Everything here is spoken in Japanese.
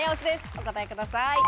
お答えください。